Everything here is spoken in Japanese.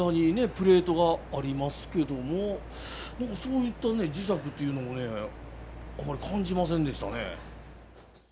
プレートがありますけども何かそういった磁石というのもねあまり感じませんでしたね。